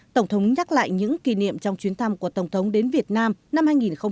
tổng thống nhắc lại những kỷ niệm trong chuyến thăm của tổng thống đến việt nam năm hai nghìn hai mươi